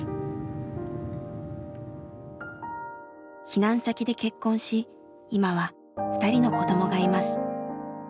避難先で結婚し今は２人の子どもがいます。